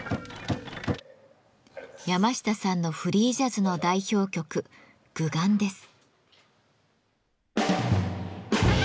山下さんのフリージャズの代表曲「グガン」です。